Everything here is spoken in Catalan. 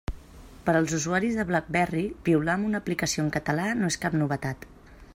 Per als usuaris de BlackBerry, piular amb una aplicació en català no és cap novetat.